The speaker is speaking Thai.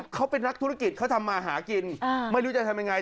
เขาเป็นนักธุรกิจเขาทำมาหากินไม่รู้จะทำยังไง